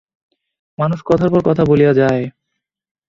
মানুষ কথার পর কথা বলিয়া যায়।